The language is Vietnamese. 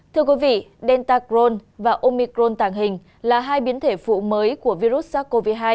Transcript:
thưa quý vị delta cron và omicron tàng hình là hai biến thể phụ mới của virus sars cov hai